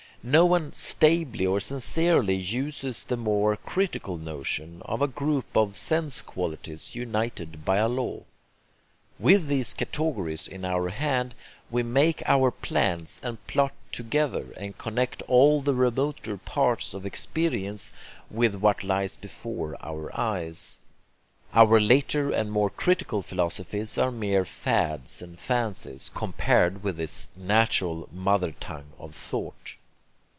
No one stably or sincerely uses the more critical notion, of a group of sense qualities united by a law. With these categories in our hand, we make our plans and plot together, and connect all the remoter parts of experience with what lies before our eyes. Our later and more critical philosophies are mere fads and fancies compared with this natural mother tongue of thought.